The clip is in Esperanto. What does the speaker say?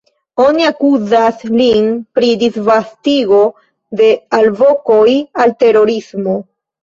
Oni akuzas lin pri disvastigo de “alvokoj al terorismo”.